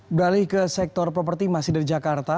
beralih ke sektor properti masih dari jakarta